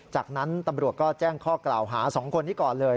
จากนั้นตำรวจก็แจ้งข้อกล่าวหา๒คนนี้ก่อนเลย